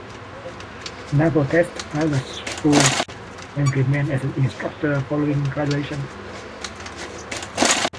Naval Test Pilot School, and remained as an instructor following graduation.